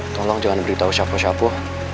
tolong jangan beritahu siapa siapa